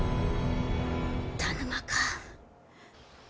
田沼か？